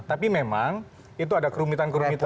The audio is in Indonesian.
tapi memang itu ada kerumitan kerumitan